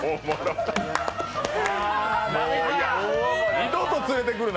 二度と連れてくるな！